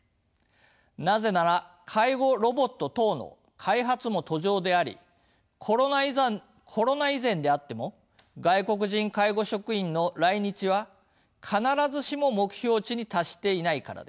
なぜなら介護ロボット等の開発も途上でありコロナ以前であっても外国人介護職員の来日は必ずしも目標値に達していないからです。